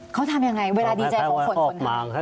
เขาทำอย่างไรเวลาดีใจเขาฝนนะ